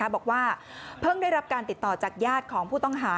บอกว่าเพิ่งได้รับการติดต่อจากญาติของผู้ต้องหา